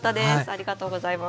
ありがとうございます。